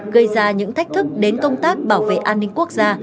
gây ra những thách thức đến công tác bảo vệ an ninh quốc gia